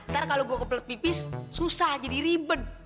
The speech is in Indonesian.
nanti kalau gue kepelet pipis susah jadi ribet